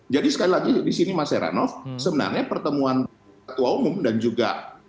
jadi sekali lagi di sini mas heranov sebenarnya pertemuan ketua umum dan juga